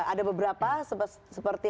ada beberapa seperti